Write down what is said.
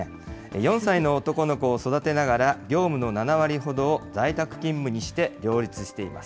４歳の男の子を育てながら、業務の７割ほどを在宅勤務にして両立しています。